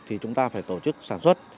thì chúng ta phải tổ chức sản xuất